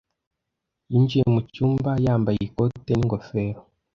Yinjiye mu cyumba yambaye ikote n'ingofero.